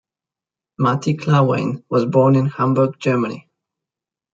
Mati Klarwein was born in Hamburg, Germany.